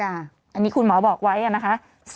อันนี้คุณหมอบอกไว้นะคะ